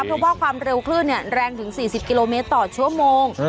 เพราะว่าความเร็วคลื่นแรงถึง๔๐กิโลเมตรต่อชั่วโมง